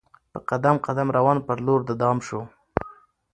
په قدم قدم روان پر لور د دام سو